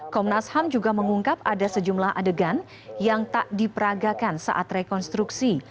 komnas ham juga mengungkap ada sejumlah adegan yang tak diperagakan saat rekonstruksi